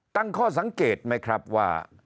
ตั้งข้อสังเกตไหมครับว่า